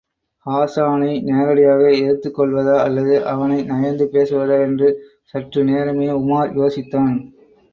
ஹாஸானை நேரடியாக எதிர்த்துக் கொள்வதா அல்லது, அவனை நயந்து பேசுவதா என்று சற்றுநேரமே உமார் யோசித்தான்.